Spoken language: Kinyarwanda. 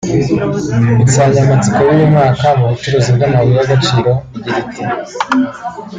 Insanyamatsiko y’uyu mwaka mu bucukuzi bw’amabuye y’agaciro igira iti